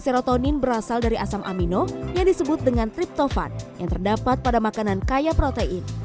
serotonin berasal dari asam amino yang disebut dengan triptofan yang terdapat pada makanan kaya protein